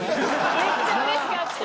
めっちゃうれしかった。